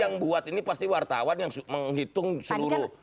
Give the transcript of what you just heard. yang buat ini pasti wartawan yang menghitung seluruh